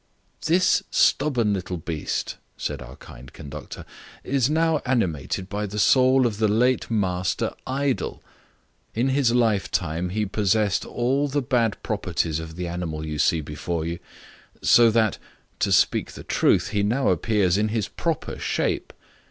"This stubborn little beast said our kind conductor, is now animated by the soul of the late master Idle. In his life time he possessed all the bad properties of the animal you see before you; so that, to speak the truth, he now appears in his proper shape.